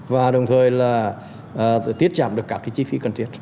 và đồng thời là tiết giảm được các cái chi phí cần thiết